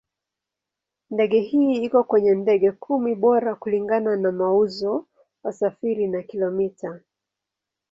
Ndege hii iko kwenye ndege kumi bora kulingana na mauzo, wasafiri na kilomita.